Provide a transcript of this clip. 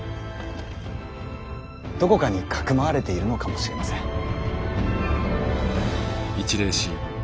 どこかに匿われているのかもしれません。